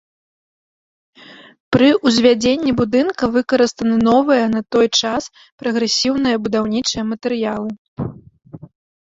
Пры ўзвядзенні будынка выкарыстаны новыя на той час прагрэсіўныя будаўнічыя матэрыялы.